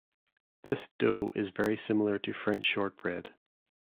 This dough is very similar to French shortbread.